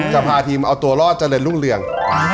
จะพาทีมเอาตัวรอดเจริญรุ่งเรือง